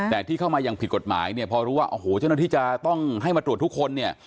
แต่ที่เข้ามาอย่างผิดกฎหมายเนี่ยพอรู้ว่าโอ้โหเจ้าหน้าที่จะต้องให้มาตรวจทุกคนเนี่ย